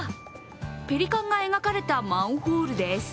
ペリカンが描かれたマンホールです。